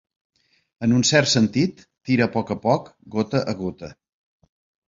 En un cert sentit, tira a poc a poc, gota a gota.